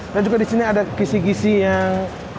dan juga disini ada kisi kisi yang